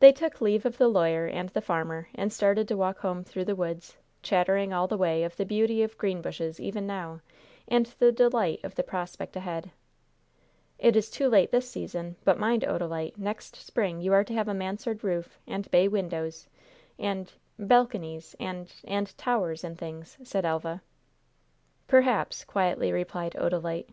They took leave of the lawyer and the farmer, and started to walk home through the woods, chattering all the way of the beauty of Greenbushes even now, and the delight of the prospect ahead. "It is too late this season; but mind, Odalite, next spring you are to have a mansard roof, and bay windows, and balconies, and and towers and things," said Elva. "Perhaps," quietly replied Odalite.